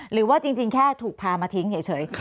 หรือว่าจริงแค่ถูกพามาทิ้งเฉย